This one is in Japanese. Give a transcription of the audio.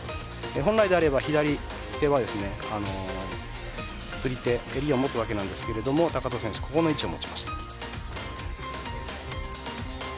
本来であれば左手は釣り手、襟を持つわけですが高藤選手はここの位置を持ちました。